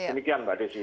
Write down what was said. demikian mbak desi